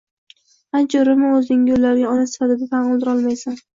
Qancha urinma, o'zingni ularga ona sifatida tan oldirolmaysan.